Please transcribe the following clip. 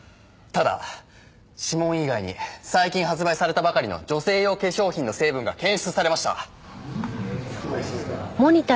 ただ指紋以外に最近発売されたばかりの女性用化粧品の成分が検出されました。